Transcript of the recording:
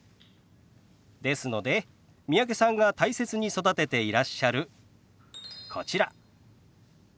ですので三宅さんが大切に育てていらっしゃるこちら。